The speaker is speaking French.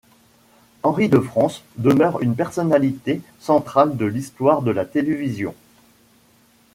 Henri de France demeure une personnalité centrale de l'histoire de la télévision.